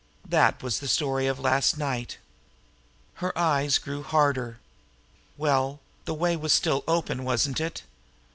That was the story of last night. Her eyes grew harder. Well, the way was still open, wasn't it?